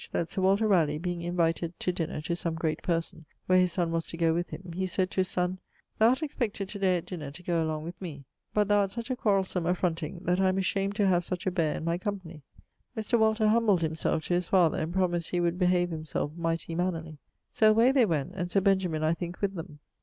that Sir Walter Ralegh being invited to dinner to some great person where his son was to goe with him, he sayd to his son 'Thou art expected to day at dinner to goe along with me, but thou art such a quarrelsome, affronting ..., that I am ashamed to have such a beare in my company.' Mr. Walter humbled himselfe to his father, and promised he would behave himselfe mighty mannerly. So away they went (and Sir Benjamin, I think, with them).